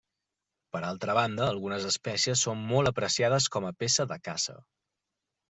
Per altra banda, algunes espècies són molt apreciades com a peça de caça.